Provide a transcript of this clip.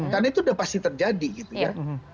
karena itu sudah pasti terjadi gitu ya